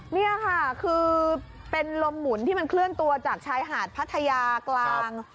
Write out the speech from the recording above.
นี่ค่ะคือเป็นลมหมุนที่มันเคลื่อนตัวจากชายหาดพัทยากลาง